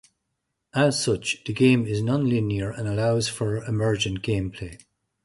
As such, the game is non-linear and allows for emergent gameplay.